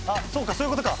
そういうことか！